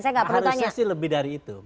harusnya sih lebih dari itu